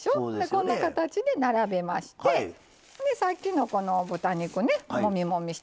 こんな形で並べましてさっきのこの豚肉ねもみもみしたやつ